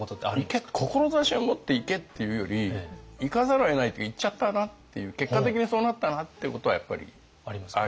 いけ志を持っていけ！っていうよりいかざるをえないといっちゃったなっていう結果的にそうなったなっていうことはやっぱりありますよね。